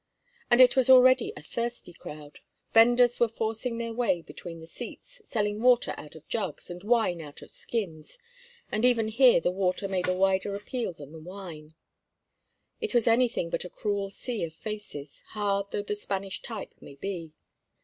And it was already a thirsty crowd. Venders were forcing their way between the seats, selling water out of jugs and wine out of skins, and even here the water made a wider appeal than the wine. It was anything but a cruel sea of faces, hard though the Spanish type may be.